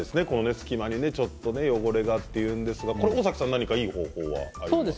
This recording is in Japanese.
隙間にちょっと汚れがというんですが何かいい方法はありますか？